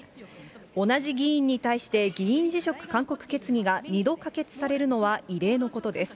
同じ議員に対して議員辞職勧告決議が２度可決されるのは異例のことです。